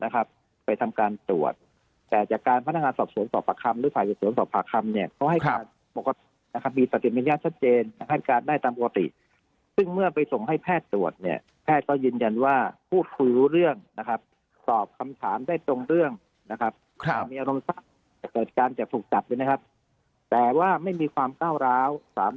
ภาคภาคภาคภาคภาคภาคภาคภาคภาคภาคภาคภาคภาคภาคภาคภาคภาคภาคภาคภาคภาคภาคภาคภาคภาคภาคภาคภาคภาคภาคภาคภาคภาคภาคภาคภาคภาคภาคภาคภาคภาคภาคภาคภาคภาคภาคภาคภาคภาคภาคภาคภาคภาคภาคภาค